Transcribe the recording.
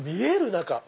中。